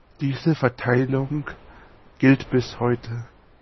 Diese Verteilung gilt bis heute.